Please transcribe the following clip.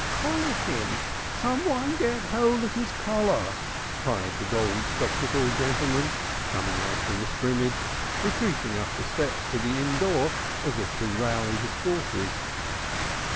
"Collar him! Someone get hold of his collar!" cried the gold spectacled gentleman, coming out of the scrimmage, retreating up the steps to the inn door as if to rally his forces.